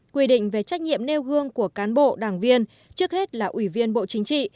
quy định về trách nhiệm nêu gương của cán bộ đảng viên trước hết là ủy viên bộ chính trị